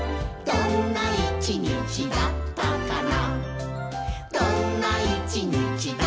「どんな一日だったかな」